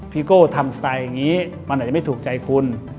โก้ทำสไตล์อย่างนี้มันอาจจะไม่ถูกใจคุณ